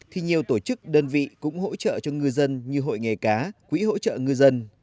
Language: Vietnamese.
thì nhiều tổ chức đơn vị cũng hỗ trợ cho ngư dân như hội nghề cá quỹ hỗ trợ ngư dân